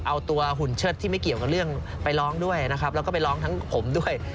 เอาตัวหุ่นเชิดที่ไม่เกี่ยวกับเรื่องไปร้องด้วยนะครับแล้วก็ไปร้องทั้งผมด้วย